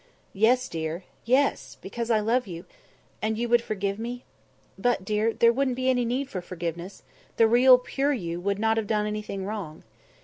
"Yes, dear. Yes. Because I love you " "And you would forgive me?" "But, dear, there wouldn't be any need for forgiveness; the real, pure you would not have done anything wrong."